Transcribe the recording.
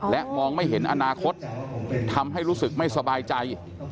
และมองไม่เห็นอนาคตทำให้รู้สึกไม่สบายใจ